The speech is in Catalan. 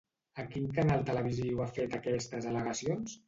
A quin canal televisiu ha fet aquestes al·legacions?